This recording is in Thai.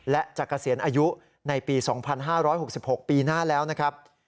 และจะเกษียณอายุในปี๒๕๖๖ปีหน้าแล้วนะครับ